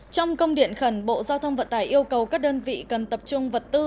trong công điện khẩn bộ giao thông vận tải yêu cầu các đơn vị cần tập trung vật tư